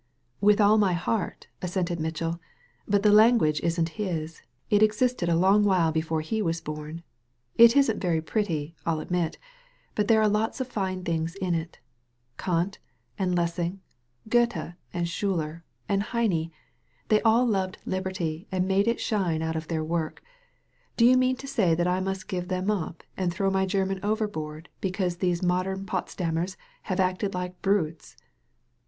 "With all my heart," assented Mitchell. "But the language isn't his. It existed a long while before he was bom. It isn't very pretty, I'll admit. But there are lots of fine things in it. Kant and Les sing, Goethe and Schiller and Heine — ^they all loved liberty and made it shine out in their work. Do you mean to say that I must give them up and throw my Grerman overboard because these modem Pots dammers have acted like bmtes?"